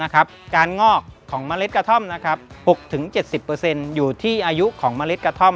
การงอกของเมล็ดกระท่อม๖๗๐อยู่ที่อายุของเมล็ดกระท่อม